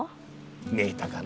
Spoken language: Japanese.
見えたかな。